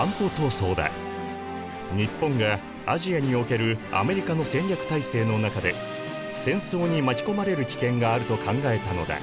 日本がアジアにおけるアメリカの戦略体制の中で戦争に巻き込まれる危険があると考えたのだ。